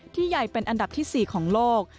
ใหญ่เป็นอันดับที่๔ของโลก